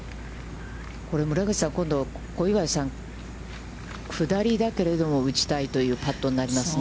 村口さん、今度、小祝さん、下りだけれども、打ちたいというパットになりますね。